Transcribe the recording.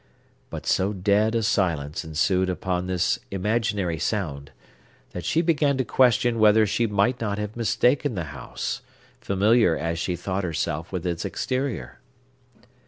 But so dead a silence ensued upon this imaginary sound, that she began to question whether she might not have mistaken the house, familiar as she thought herself with its exterior.